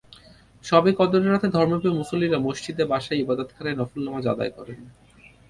শবে কদরের রাতে ধর্মপ্রিয় মুসল্লিরা মসজিদে, বাসায়, ইবাদতখানায় নফল নামাজ আদায় করেন।